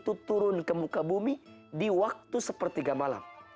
sebuah keterangan disebutkan allah itu turun ke muka bumi di waktu sepertiga malam